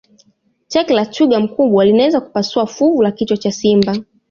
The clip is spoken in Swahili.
teke la twiga mkubwa linaweza kupasua fuvu la kichwa cha simba